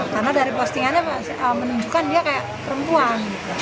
karena dari postingannya menunjukkan dia kayak perempuan gitu